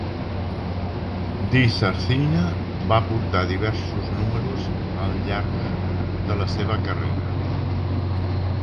DiSarcina va portar diversos números al llarga de la seva carrera.